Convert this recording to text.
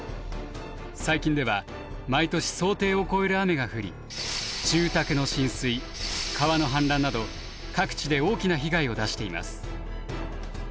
最近では毎年想定を超える雨が降り住宅の浸水川の氾濫など各地で大きな被害を出しています。